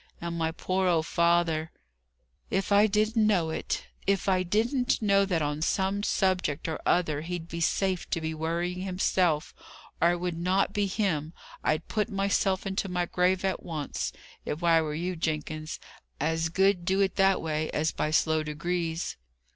And my poor old father " "If I didn't know it! If I didn't know that, on some subject or other, he'd be safe to be worrying himself, or it would not be him! I'd put myself into my grave at once, if I were you, Jenkins. As good do it that way, as by slow degrees."